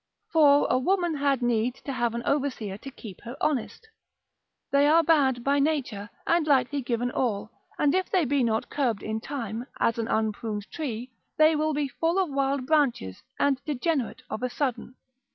For a woman had need to have an overseer to keep her honest; they are bad by nature, and lightly given all, and if they be not curbed in time, as an unpruned tree, they will be full of wild branches, and degenerate of a sudden.